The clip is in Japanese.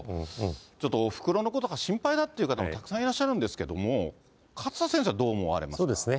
ちょっとおふくろのことが心配だっていう方もたくさんいらっしゃるんですけども、勝田先生はどう思われますか。